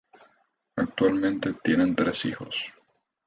Actualmente tienen tres hijos.